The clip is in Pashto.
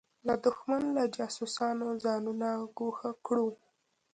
له دښمن له جاسوسانو ځانونه ګوښه کړو.